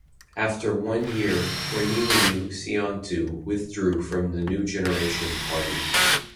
After one year Corneliu Ciontu withdrew from the New Generation Party.